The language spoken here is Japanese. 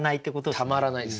たまらないです。